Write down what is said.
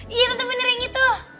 ian ada beneran yang gitu